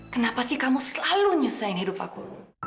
kenapa sih kamu selalu nyusahin hidup aku